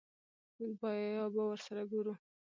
بيا به ور سره ګورو.